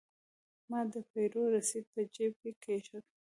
ما د پیرود رسید په جیب کې کېښود.